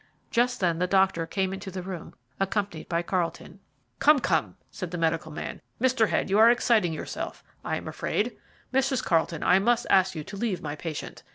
Just then the doctor came into the room, accompanied by Carlton. "Come, come," said the medical man, "Mr. Head, you are exciting yourself. I am afraid, Mrs. Carlton, I must ask you to leave my patient.